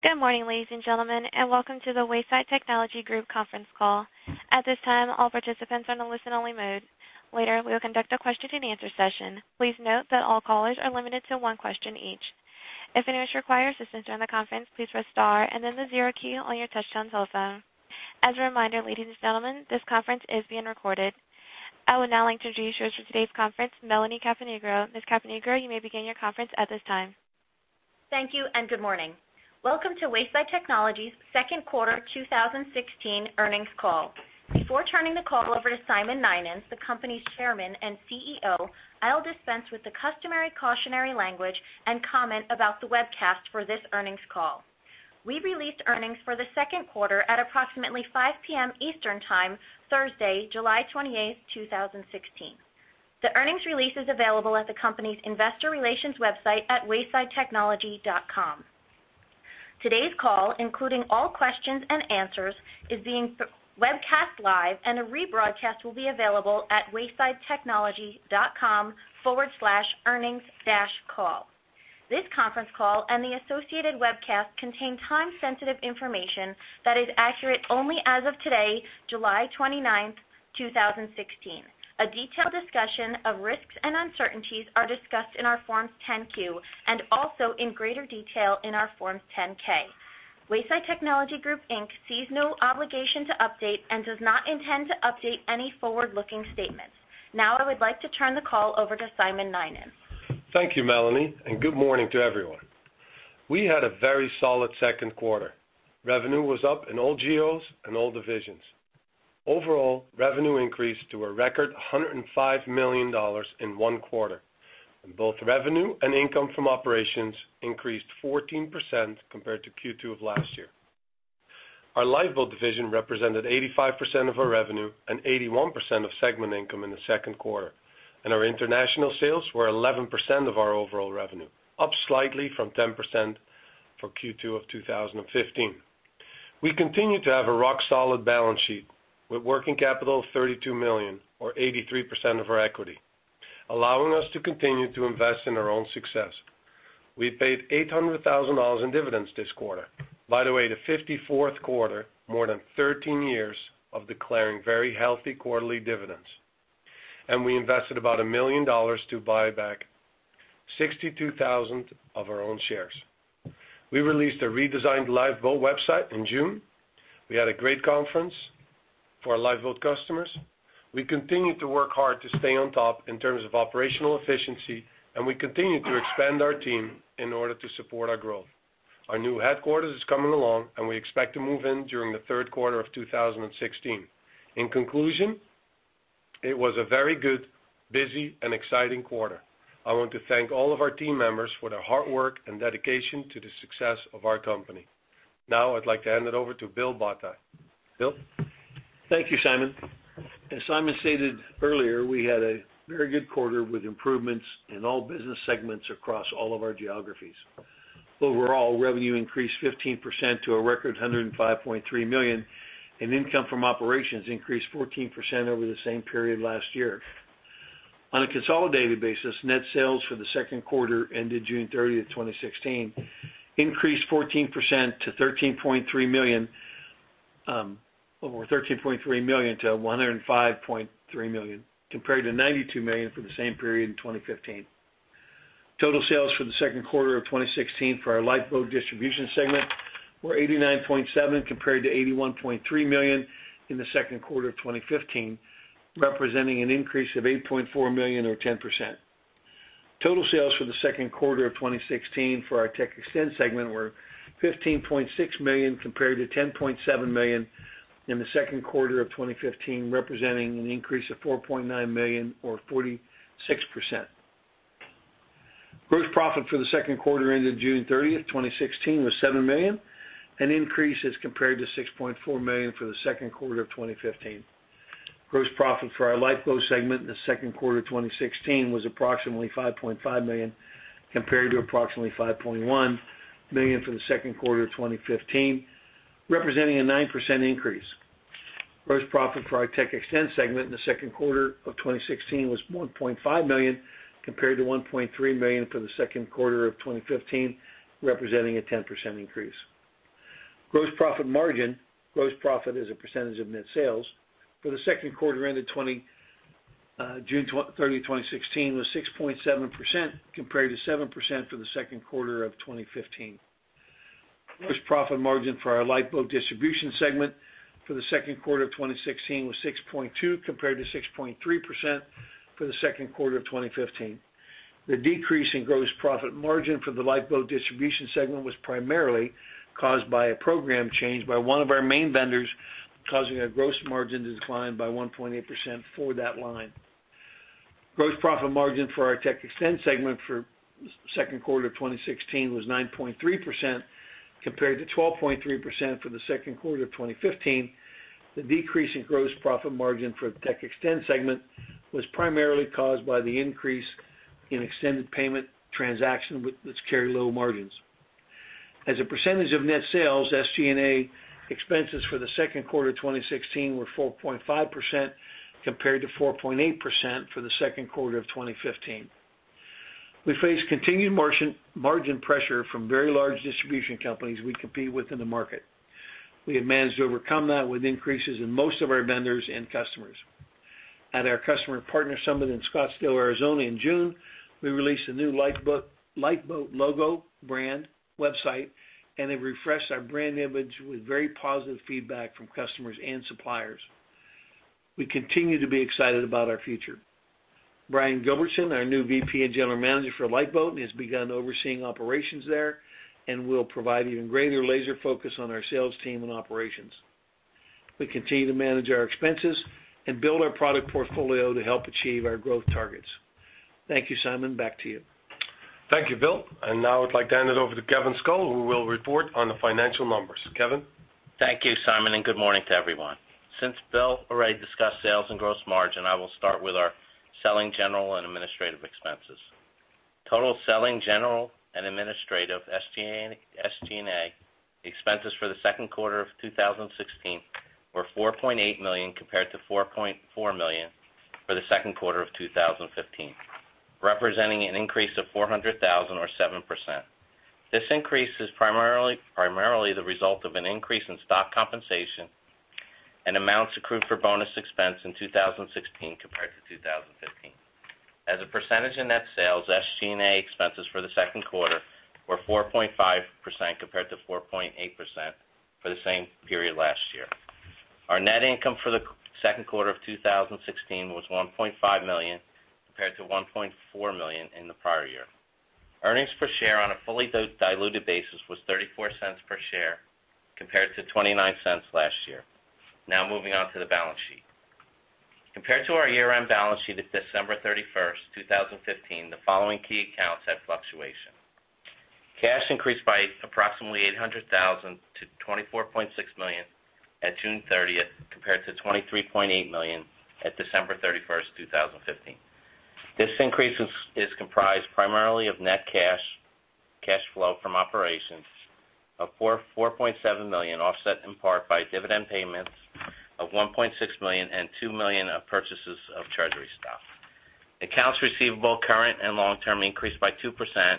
Good morning, ladies and gentlemen, and welcome to the Wayside Technology Group conference call. At this time, all participants are in a listen-only mode. Later, we will conduct a question-and-answer session. Please note that all callers are limited to one question each. If anyone should require assistance during the conference, please press star and then the zero key on your touchtone telephone. As a reminder, ladies and gentlemen, this conference is being recorded. I would now like to introduce you to today's conference, Melanie Caponigro. Ms. Caponigro, you may begin your conference at this time. Thank you, good morning. Welcome to Wayside Technology's second quarter 2016 earnings call. Before turning the call over to Simon Nynens, the company's Chairman and CEO, I'll dispense with the customary cautionary language and comment about the webcast for this earnings call. We released earnings for the second quarter at approximately 5:00 P.M. Eastern Time, Thursday, July 28th, 2016. The earnings release is available at the company's investor relations website at waysidetechnology.com. Today's call, including all questions and answers, is being webcast live, and a rebroadcast will be available at waysidetechnology.com/earnings-call. This conference call and the associated webcast contain time-sensitive information that is accurate only as of today, July 29th, 2016. A detailed discussion of risks and uncertainties are discussed in our Forms 10-Q and also in greater detail in our Forms 10-K. Wayside Technology Group Inc. sees no obligation to update and does not intend to update any forward-looking statements. Now I would like to turn the call over to Simon Nynens. Thank you, Melanie, good morning to everyone. We had a very solid second quarter. Revenue was up in all geos and all divisions. Overall, revenue increased to a record $105 million in one quarter, both revenue and income from operations increased 14% compared to Q2 of last year. Our Lifeboat division represented 85% of our revenue and 81% of segment income in the second quarter, our international sales were 11% of our overall revenue, up slightly from 10% for Q2 of 2015. We continue to have a rock-solid balance sheet with working capital of $32 million, or 83% of our equity, allowing us to continue to invest in our own success. We paid $800,000 in dividends this quarter. By the way, the 54th quarter, more than 13 years of declaring very healthy quarterly dividends. We invested about $1 million to buy back 62,000 of our own shares. We released a redesigned Lifeboat website in June. We had a great conference for our Lifeboat customers. We continue to work hard to stay on top in terms of operational efficiency, and we continue to expand our team in order to support our growth. Our new headquarters is coming along, and we expect to move in during the third quarter of 2016. In conclusion, it was a very good, busy, and exciting quarter. I want to thank all of our team members for their hard work and dedication to the success of our company. I'd like to hand it over to Bill Botti. Bill? Thank you, Simon. As Simon stated earlier, we had a very good quarter with improvements in all business segments across all of our geographies. Overall, revenue increased 15% to a record $105.3 million, and income from operations increased 14% over the same period last year. On a consolidated basis, net sales for the second quarter ended June 30th, 2016, increased 14% to $13.3 million to $105.3 million, compared to $92 million for the same period in 2015. Total sales for the second quarter of 2016 for our Lifeboat distribution segment were $89.7 million compared to $81.3 million in the second quarter of 2015, representing an increase of $8.4 million or 10%. Total sales for the second quarter of 2016 for our TechXtend segment were $15.6 million compared to $10.7 million in the second quarter of 2015, representing an increase of $4.9 million or 46%. Gross profit for the second quarter ended June 30th, 2016, was $7 million, an increase as compared to $6.4 million for the second quarter of 2015. Gross profit for our Lifeboat segment in the second quarter 2016 was approximately $5.5 million, compared to approximately $5.1 million for the second quarter of 2015, representing a 9% increase. Gross profit for our TechXtend segment in the second quarter of 2016 was $1.5 million, compared to $1.3 million for the second quarter of 2015, representing a 10% increase. Gross profit margin, gross profit as a percentage of net sales, for the second quarter ended June 30th, 2016, was 6.7%, compared to 7% for the second quarter of 2015. Gross profit margin for our Lifeboat distribution segment for the second quarter of 2016 was 6.2%, compared to 6.3% for the second quarter of 2015. The decrease in gross profit margin for the Lifeboat distribution segment was primarily caused by a program change by one of our main vendors, causing a gross margin to decline by 1.8% for that line. Gross profit margin for our TechXtend segment for second quarter 2016 was 9.3%, compared to 12.3% for the second quarter of 2015. The decrease in gross profit margin for the TechXtend segment was primarily caused by the increase in extended payment transaction that's carry low margins. As a percentage of net sales, SG&A expenses for the second quarter 2016 were 4.5%, compared to 4.8% for the second quarter of 2015. We face continued margin pressure from very large distribution companies we compete with in the market. We have managed to overcome that with increases in most of our vendors and customers. At our customer partner summit in Scottsdale, Arizona in June, we released a new Lifeboat logo, brand, website, and it refreshed our brand image with very positive feedback from customers and suppliers. We continue to be excited about our future. Brian Gilbertson, our new VP and General Manager for Lifeboat, has begun overseeing operations there and will provide even greater laser focus on our sales team and operations. We continue to manage our expenses and build our product portfolio to help achieve our growth targets. Thank you. Simon, back to you. Thank you, Bill. Now I'd like to hand it over to Kevin Scull, who will report on the financial numbers. Kevin? Thank you, Simon, and good morning to everyone. Since Bill already discussed sales and gross margin, I will start with our selling, general, and administrative expenses. Total selling, general, and administrative, SG&A, expenses for the second quarter of 2016 were $4.8 million compared to $4.4 million for the second quarter of 2015, representing an increase of $400,000 or 7%. This increase is primarily the result of an increase in stock compensation and amounts accrued for bonus expense in 2016 compared to 2015. As a percentage in net sales, SG&A expenses for the second quarter were 4.5% compared to 4.8% for the same period last year. Our net income for the second quarter of 2016 was $1.5 million compared to $1.4 million in the prior year. Earnings per share on a fully-diluted basis was $0.34 per share compared to $0.29 last year. Moving on to the balance sheet. Compared to our year-end balance sheet at December 31st, 2015, the following key accounts had fluctuation. Cash increased by approximately $800,000 to $24.6 million at June 30th, compared to $23.8 million at December 31st, 2015. This increase is comprised primarily of net cash flow from operations of $4.7 million, offset in part by dividend payments of $1.6 million and $2 million of purchases of treasury stock. Accounts receivable, current and long-term, increased by 2%,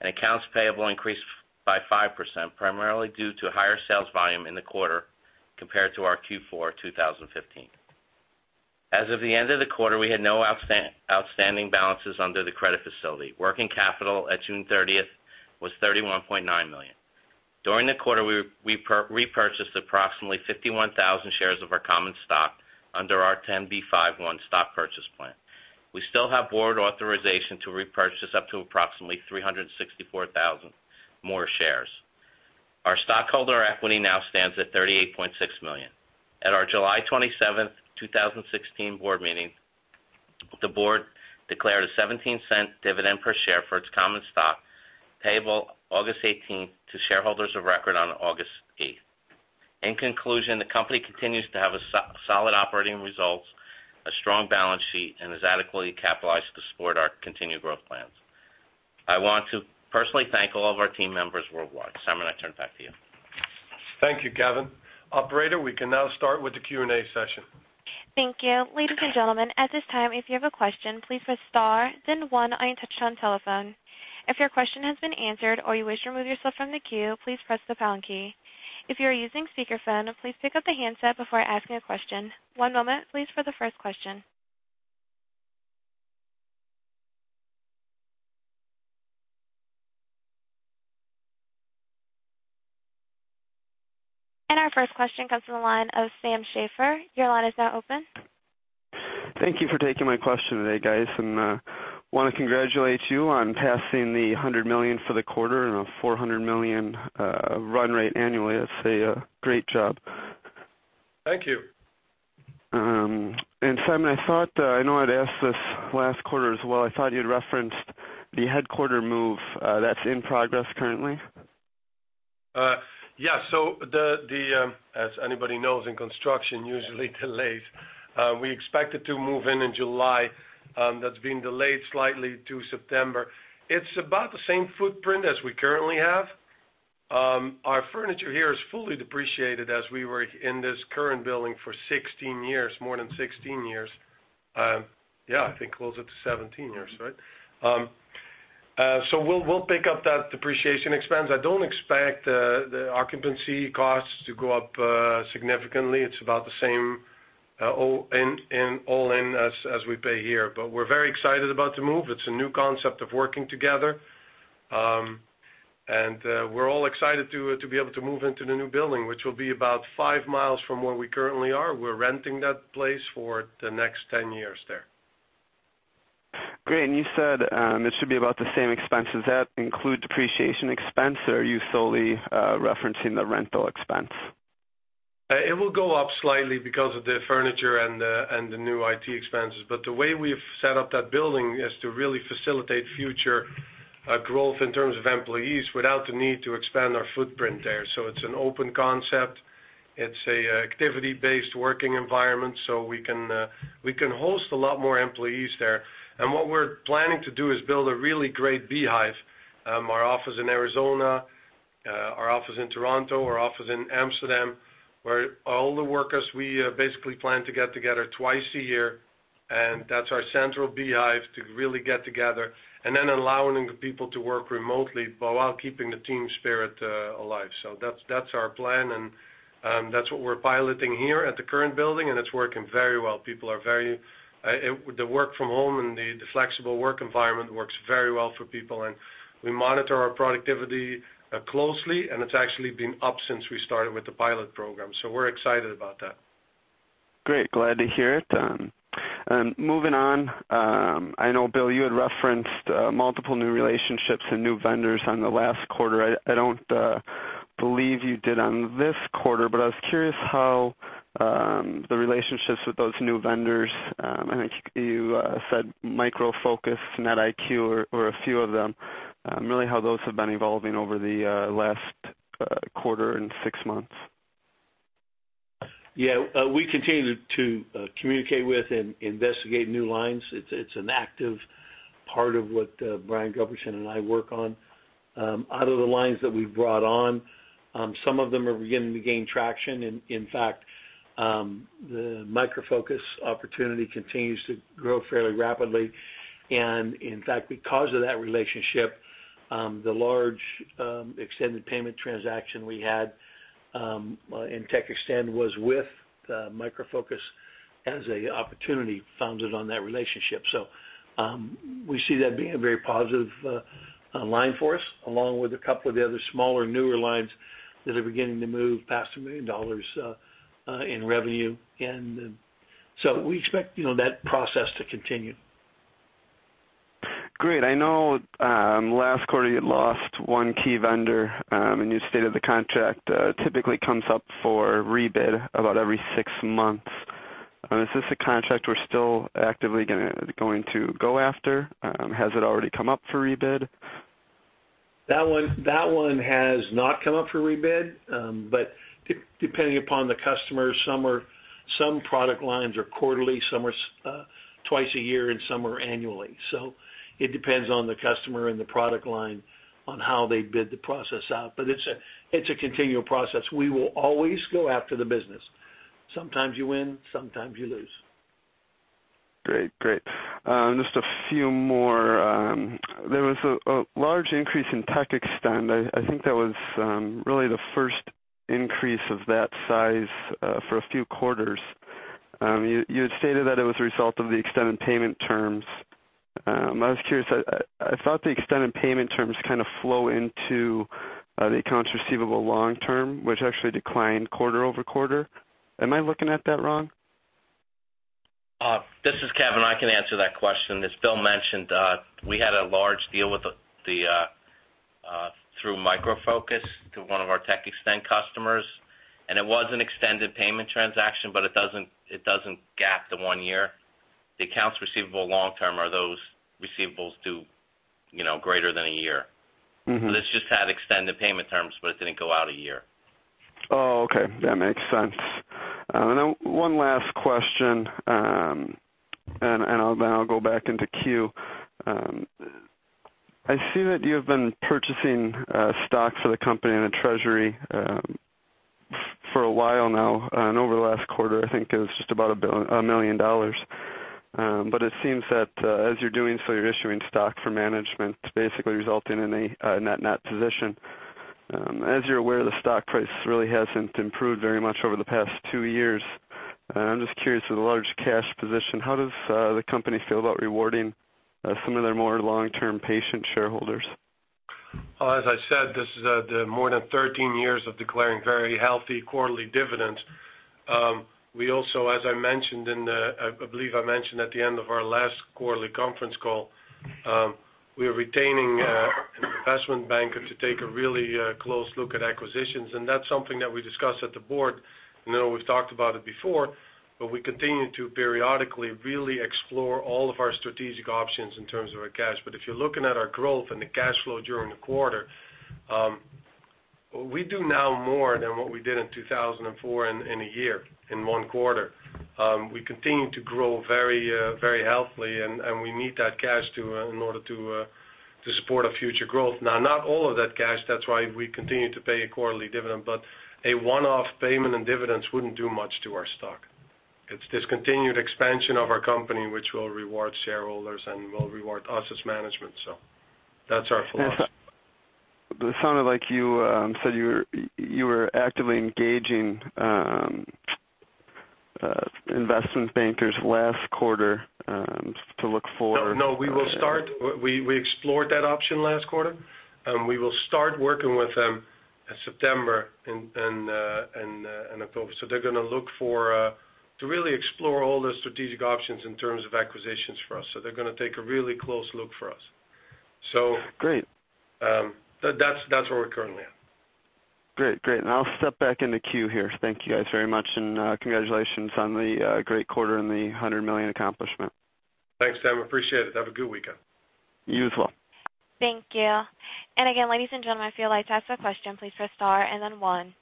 and accounts payable increased by 5%, primarily due to higher sales volume in the quarter compared to our Q4 2015. As of the end of the quarter, we had no outstanding balances under the credit facility. Working capital at June 30th was $31.9 million. During the quarter, we repurchased approximately 51,000 shares of our common stock under our 10b5-1 stock purchase plan. We still have board authorization to repurchase up to approximately 364,000 more shares. Our stockholder equity now stands at $38.6 million. At our July 27th, 2016 board meeting, the board declared a $0.17 dividend per share for its common stock, payable August 18th to shareholders of record on August 8th. In conclusion, the company continues to have solid operating results, a strong balance sheet, and is adequately capitalized to support our continued growth plans. I want to personally thank all of our team members worldwide. Simon, I turn it back to you. Thank you, Kevin. Operator, we can now start with the Q&A session. Thank you. Ladies and gentlemen, at this time, if you have a question, please press star then one on your touchtone telephone. If your question has been answered or you wish to remove yourself from the queue, please press the pound key. If you are using speakerphone, please pick up the handset before asking a question. One moment please, for the first question. Our first question comes from the line of Sam Schaefer. Your line is now open. Thank you for taking my question today, guys, I want to congratulate you on passing the $100 million for the quarter and a $400 million run rate annually. That's a great job. Thank you. Simon, I know I'd asked this last quarter as well. I thought you'd referenced the headquarters move. That's in progress currently? As anybody knows, in construction, usually delays. We expected to move in in July. That's been delayed slightly to September. It's about the same footprint as we currently have. Our furniture here is fully depreciated as we were in this current building for 16 years, more than 16 years. I think close it to 17 years, right? We'll pick up that depreciation expense. I don't expect the occupancy costs to go up significantly. It's about the same all-in as we pay here. We're very excited about the move. It's a new concept of working together. We're all excited to be able to move into the new building, which will be about five miles from where we currently are. We're renting that place for the next 10 years there. Great. You said it should be about the same expense. Does that include depreciation expense, or are you solely referencing the rental expense? It will go up slightly because of the furniture and the new IT expenses. The way we've set up that building is to really facilitate future growth in terms of employees without the need to expand our footprint there. It's an open concept. It's an activity-based working environment, so we can host a lot more employees there. What we're planning to do is build a really great beehive. Our office in Arizona, our office in Toronto, our office in Amsterdam, where all the workers, we basically plan to get together twice a year, and that's our central beehive to really get together. Then allowing the people to work remotely, but while keeping the team spirit alive. That's our plan, and that's what we're piloting here at the current building, and it's working very well. The work from home and the flexible work environment works very well for people. We monitor our productivity closely, and it's actually been up since we started with the pilot program. We're excited about that. Great. Glad to hear it. Moving on. I know, Bill, you had referenced multiple new relationships and new vendors on the last quarter. I don't believe you did on this quarter, but I was curious how the relationships with those new vendors, I think you said Micro Focus, NetIQ, or a few of them, really how those have been evolving over the last quarter and six months. Yeah. We continue to communicate with and investigate new lines. It's an active part of what Brian Gilbertson and I work on. Out of the lines that we've brought on, some of them are beginning to gain traction. In fact, the Micro Focus opportunity continues to grow fairly rapidly. In fact, because of that relationship, the large extended payment transaction we had in TechXtend was with Micro Focus as a opportunity founded on that relationship. We see that being a very positive line for us, along with a couple of the other smaller, newer lines that are beginning to move past $1 million in revenue. We expect that process to continue. Great. I know last quarter you lost one key vendor, and you stated the contract typically comes up for rebid about every six months. Is this a contract we're still actively going to go after? Has it already come up for rebid? That one has not come up for rebid. Depending upon the customer, some product lines are quarterly, some are twice a year, and some are annually. It depends on the customer and the product line on how they bid the process out. It's a continual process. We will always go after the business. Sometimes you win, sometimes you lose. Great. Just a few more. There was a large increase in TechXtend. I think that was really the first increase of that size for a few quarters. You had stated that it was a result of the extended payment terms. I was curious, I thought the extended payment terms kind of flow into the accounts receivable long term, which actually declined quarter-over-quarter. Am I looking at that wrong? This is Kevin. I can answer that question. As Bill mentioned, we had a large deal through Micro Focus to one of our TechXtend customers, and it was an extended payment transaction, but it doesn't gap to one year. The accounts receivable long term are those receivables due greater than a year. This just had extended payment terms, it didn't go out a year. Oh, okay. That makes sense. One last question, then I'll go back into queue. I see that you have been purchasing stocks for the company in a treasury for a while now, and over the last quarter, I think it was just about $1 million. It seems that as you're doing so, you're issuing stock for management, basically resulting in a net-net position. As you're aware, the stock price really hasn't improved very much over the past two years. I'm just curious, with the large cash position, how does the company feel about rewarding some of their more long-term patient shareholders? As I said, this is more than 13 years of declaring very healthy quarterly dividends. We also, as I mentioned at the end of our last quarterly conference call, we are retaining an investment banker to take a really close look at acquisitions, and that's something that we discussed at the board. I know we've talked about it before, we continue to periodically really explore all of our strategic options in terms of our cash. If you're looking at our growth and the cash flow during the quarter, we do now more than what we did in 2004 in a year, in one quarter. We continue to grow very healthily, and we need that cash in order to support our future growth. Now, not all of that cash. That's why we continue to pay a quarterly dividend. A one-off payment in dividends wouldn't do much to our stock. It's this continued expansion of our company which will reward shareholders and will reward us as management. That's our philosophy. It sounded like you said you were actively engaging investment bankers last quarter to look for- No, we explored that option last quarter. We will start working with them in September and October. They're going to really explore all the strategic options in terms of acquisitions for us. They're going to take a really close look for us. Great That's where we're currently at. Great. I'll step back in the queue here. Thank you guys very much, and congratulations on the great quarter and the 100 million accomplishment. Thanks, Sam. Appreciate it. Have a good weekend. You as well. Thank you. Again, ladies and gentlemen, if you would like to ask a question, please press star and then one.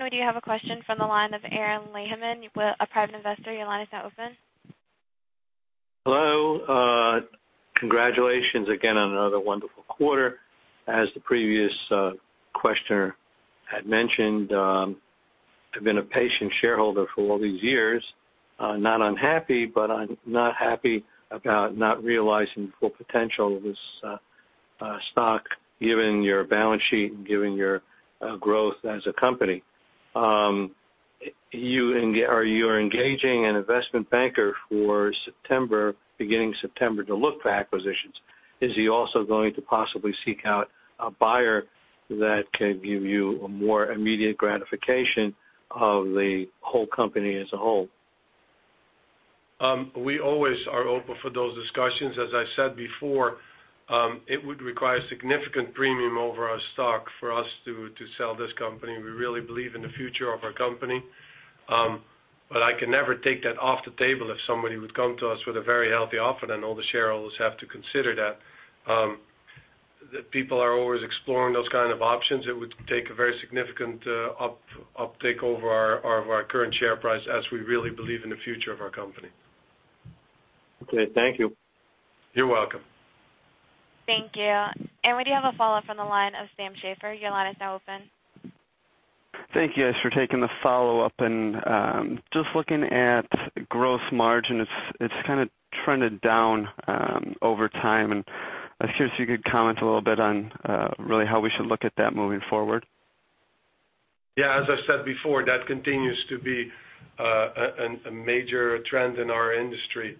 We do have a question from the line of Aaron Lehemann, a private investor. Your line is now open. Hello. Congratulations again on another wonderful quarter. As the previous questioner had mentioned, I've been a patient shareholder for all these years. Not unhappy, but I'm not happy about not realizing the full potential of this stock, given your balance sheet and given your growth as a company. You are engaging an investment banker for beginning September to look for acquisitions. Is he also going to possibly seek out a buyer that can give you a more immediate gratification of the whole company as a whole? We always are open for those discussions. As I said before, it would require a significant premium over our stock for us to sell this company. We really believe in the future of our company. I can never take that off the table if somebody would come to us with a very healthy offer, all the shareholders have to consider that. People are always exploring those kind of options. It would take a very significant uptick over our current share price as we really believe in the future of our company. Okay, thank you. You're welcome. Thank you. We do have a follow-up from the line of Sam Schaefer. Your line is now open. Thank you guys for taking the follow-up. Just looking at gross margin, it's kind of trended down over time. I was curious if you could comment a little bit on really how we should look at that moving forward. Yeah, as I said before, that continues to be a major trend in our industry,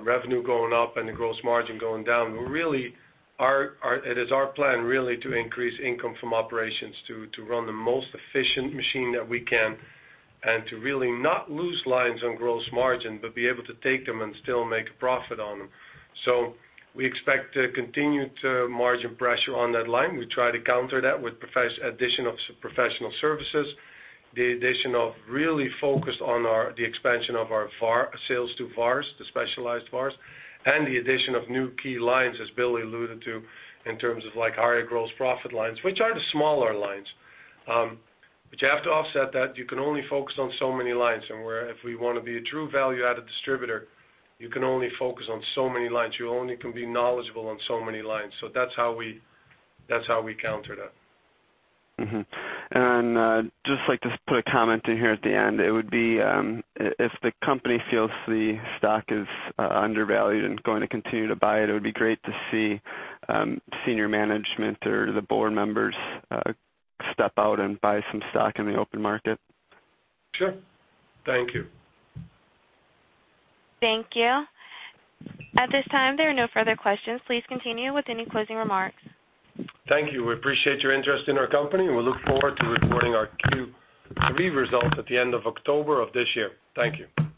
revenue going up and the gross margin going down. It is our plan really to increase income from operations, to run the most efficient machine that we can and to really not lose lines on gross margin, but be able to take them and still make a profit on them. We expect continued margin pressure on that line. We try to counter that with addition of professional services, the addition of really focused on the expansion of our sales to vars, the specialized vars, and the addition of new key lines, as Bill alluded to, in terms of higher gross profit lines, which are the smaller lines. You have to offset that. You can only focus on so many lines. If we want to be a true value-added distributor, you can only focus on so many lines. You only can be knowledgeable on so many lines. That's how we counter that. Just like to put a comment in here at the end. It would be, if the company feels the stock is undervalued and going to continue to buy it would be great to see senior management or the board members step out and buy some stock in the open market. Sure. Thank you. Thank you. At this time, there are no further questions. Please continue with any closing remarks. Thank you. We appreciate your interest in our company, and we look forward to reporting our Q3 results at the end of October of this year. Thank you.